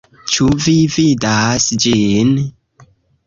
Ĉu vi vidas ĝin?